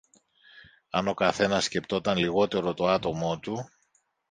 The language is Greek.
Αν ο καθένας σκέπτονταν λιγότερο το άτομο του